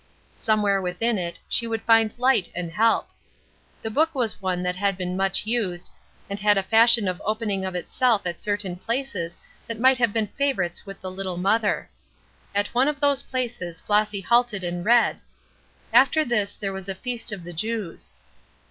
Somewhere within it she would find light and help. The book was one that had been much used, and had a fashion of opening of itself at certain places that might have been favorites with the little mother. At one of those places Flossy halted and read: "'After this there was a feast of the Jews.'